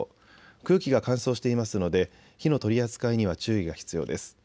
空気が乾燥していますので火の取り扱いには注意が必要です。